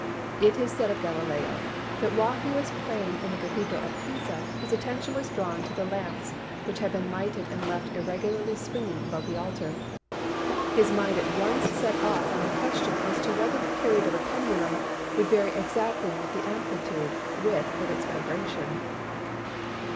It is said of Galileo that while he was praying in the cathedral at Pisa his attention was drawn to the lamps which had been lighted and left irregularly swinging above the altar. His mind at once set off on the question as to whether the period of a pendulum would vary exactly with the amplitude (width) of its vibration.